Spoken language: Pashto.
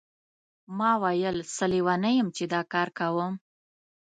ما ویل څه لیونی یم چې دا کار کوم.